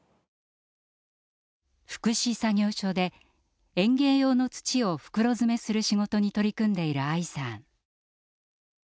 福祉作業所で園芸用の土を袋詰めする仕事に取り組んでいる愛さん。